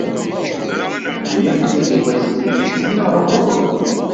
Tḥemmlemt Yuba s tidet, neɣ uhu?